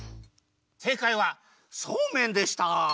せいかいはそうめんでした！